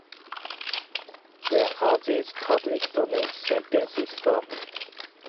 Where are these public domain sentences from?